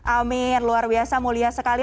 amin luar biasa mulia sekali